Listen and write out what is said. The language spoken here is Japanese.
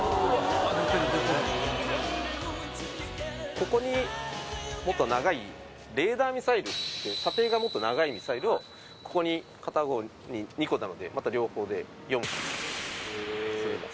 ここにもっと長いレーダーミサイルって射程がもっと長いミサイルをここに片方に２個なのでまた両方で４発積んでます。